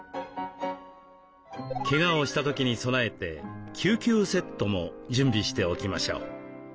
けがをした時に備えて救急セットも準備しておきましょう。